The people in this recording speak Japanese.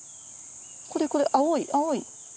これこれ青い青い。